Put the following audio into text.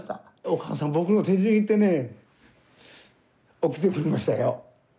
お母さん僕の手握ってね送ってくれましたよ。